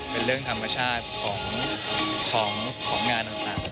เป็นเรื่องธรรมชาติของงานต่าง